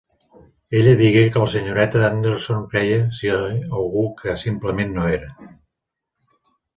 Ella digué que la senyoreta Anderson creia ser algú que simplement no era.